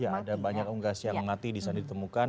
ya ada banyak unggas yang mati di sana ditemukan